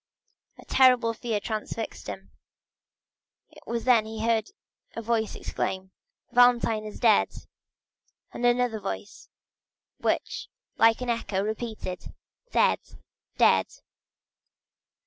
A terrible fear transfixed him. It was then he heard a voice exclaim "Valentine is dead!" and another voice which, like an echo repeated: "Dead,—dead!"